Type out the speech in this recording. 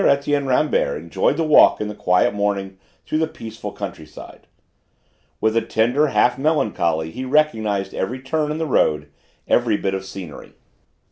Etienne Rambert enjoyed the walk in the quiet morning through the peaceful country side. With a tender half melancholy he recognised every turn in the road, every bit of scenery.